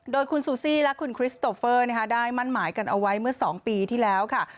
โดยคุณซูซี่และคุณคริสโตเฟอร์ได้มั่นหมายกันเอาไว้เมื่อ๒ปีที่แล้วค่ะ